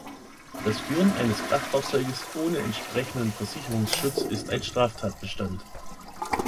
Das Führen eines Kraftfahrzeuges ohne entsprechenden Versicherungsschutz ist ein Straftatbestand.